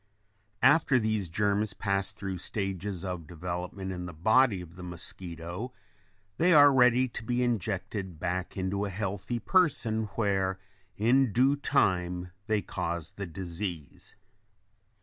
After these germs pass through stages of development in the body of the mosquito they are ready to be injected back into a healthy person where, in due time, they cause the disease.